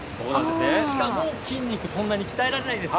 しかも筋肉そんなに鍛えられないです。